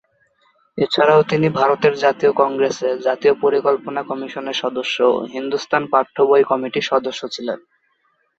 এছাড়াও তিনি ভারতের জাতীয় কংগ্রেসে জাতীয় পরিকল্পনা কমিশনের সদস্য ও হিন্দুস্তান পাঠ্যবই কমিটির সদস্য ছিলেন।